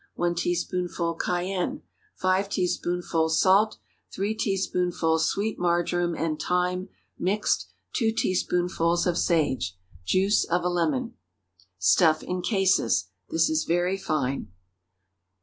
1 teaspoonful cayenne. 5 teaspoonfuls salt. 3 teaspoonfuls sweet marjoram and thyme, mixed. 2 teaspoonfuls of sage. Juice of a lemon. Stuff in cases. This is very fine.